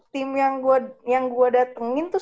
tim yang gue datengin tuh